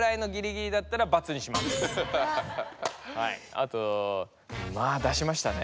あとまあ出しましたね。